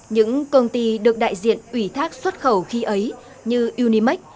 những công ty được đại diện ủy thác xuất khẩu khi ấy như unimax